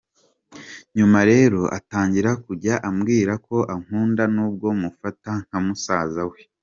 Nyuma rero atangira kujya ambwira ko ankunda nubwo mufata nka musaza we.